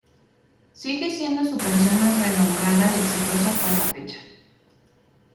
Sigue siendo su canción más renombrada y exitosa hasta la fecha.